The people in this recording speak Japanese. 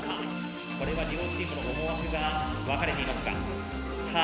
これは両チームの思惑が分かれていますがさあ